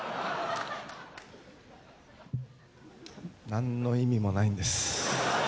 何の意味もないんです。